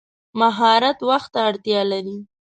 مهارت وخت ته اړتیا لري.